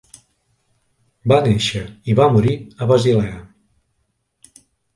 Va néixer i va morir a Basilea.